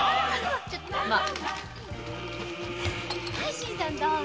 新さんどうぞ。